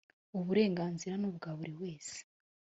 uburenganzira nubwaburiwese.